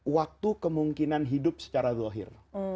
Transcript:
waktu kemungkinan hidup secara zuhir